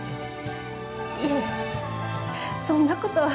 いえ、そんなことは。